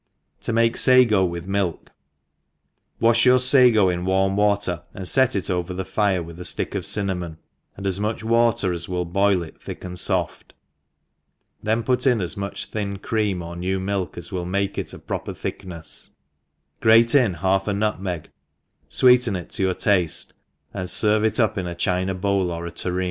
7*0 make Sago wtk Milk* WASH your fago in warm water, and fet it over the fire with a flick of cinnamon, and as much water as will boil it thick and foft, thei^ put in as much thin cream or new milk as will make it a proper thicknefs, grate in hair a nut meg, fweeten it to your tafle and ferve it up ii) a China bowl or turene.